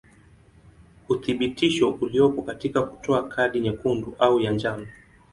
Uthibitisho uliopo katika kutoa kadi nyekundu au ya njano.